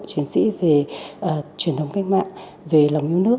chiến sĩ về truyền thống cách mạng về lòng yêu nước